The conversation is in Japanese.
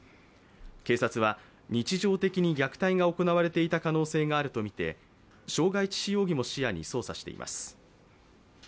警察は日常的に虐待が行われていた可能性があるとみて傷害致死容疑も視野に捜査しています。